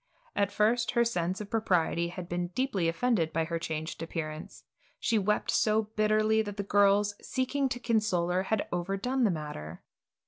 At first her sense of propriety had been deeply offended by her changed appearance. She wept so bitterly that the girls, seeking to console her, had overdone the matter.